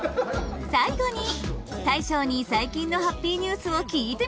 最後に大将に最近のハッピーニュースを聞いてみた。